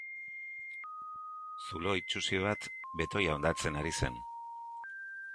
Zulo itsusi bat betoia hondatzen ari zen.